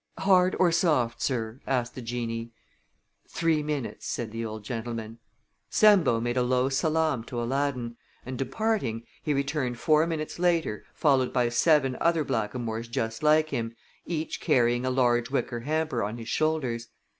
"Hard or soft, sir?" asked the genie. "Three minutes," said the old gentleman. Sambo made a low salaam to Aladdin, and departing, he returned four minutes later followed by seven other blackamoors just like him, each carrying a large wicker hamper on his shoulders.